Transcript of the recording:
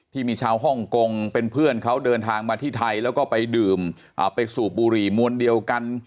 ที่มีชาวฮ่องกงเป็นเพื่อนเขาเดินทางมาที่ไทยแล้วก็ไปดื่มไปสูบบุหรี่มวลเดียวกัน